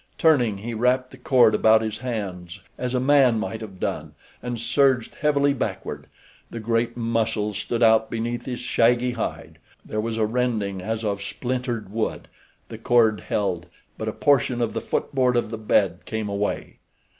Turning, he wrapped the cord about his hands, as a man might have done, and surged heavily backward. The great muscles stood out beneath his shaggy hide. There was a rending as of splintered wood—the cord held, but a portion of the footboard of the bed came away.